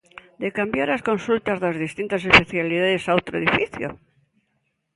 ¿De cambiar as consultas das distintas especialidades a outro edificio?